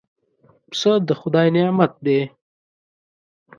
پسه د خدای نعمت دی.